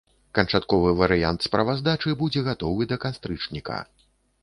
Канчатковы варыянт справаздачы будзе гатовы да кастрычніка.